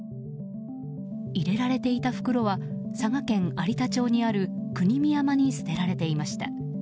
入れられていた袋は佐賀県有田町にある国見山に捨てられていました。